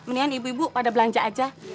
mendingan ibu ibu pada belanja aja